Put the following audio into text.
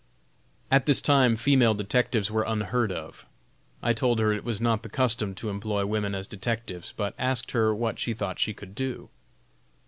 At this time female detectives were unheard of. I told her it was not the custom to employ women as detectives, but asked her what she thought she could do.